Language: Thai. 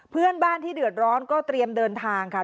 เพื่อนบ้านที่เดือดร้อนก็เตรียมเดินทางค่ะ